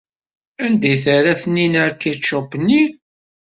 Sanda ay terra Taninna akičup-nni?